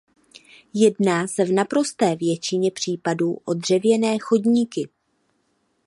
Jedná se v naprosté většině případů o dřevěné chodníky.